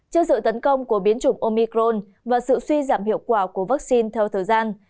trước sự tấn công của biến chủng omicron và sự suy giảm hiệu quả của vaccine theo thời gian